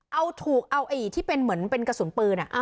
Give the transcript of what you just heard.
เอาถูกเอาที่เป็นเหมือนเป็นกระสุนปืน